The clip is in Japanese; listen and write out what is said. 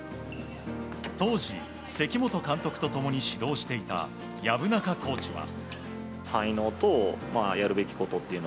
当時、関本監督と共に指導していた薮中コーチは。